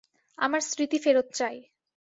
আমার স্মৃতি ফেরত চাই।